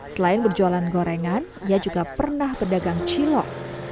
selain berjualan gorengan ia juga pernah berdagang cilok